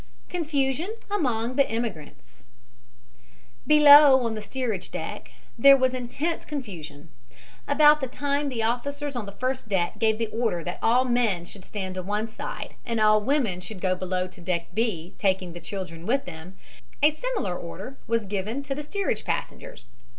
CONFUSION AMONG THE IMMIGRANTS Below, on the steerage deck, there was intense confusion. About the time the officers on the first deck gave the order that all men should stand to one side and all women should go below to deck B, taking the children with them, a similar order was given to the steerage passengers.